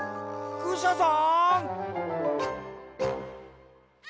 クシャさん！